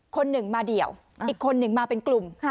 คนหนึ่งมาเดี่ยวอีกคนหนึ่งมาเป็นกลุ่ม